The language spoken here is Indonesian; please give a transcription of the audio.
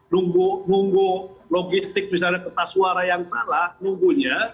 nunggu nunggu logistik misalnya kertas suara yang salah nunggunya